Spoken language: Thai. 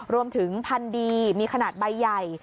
รวมถึงพันธุ์ดีมีขนาดใบใหญ่